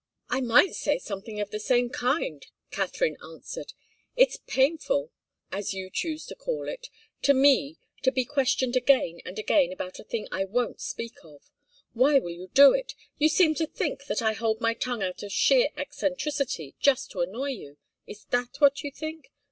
"I might say something of the same kind," Katharine answered. "It's painful as you choose to call it to me, to be questioned again and again about a thing I won't speak of. Why will you do it? You seem to think that I hold my tongue out of sheer eccentricity, just to annoy you. Is that what you think?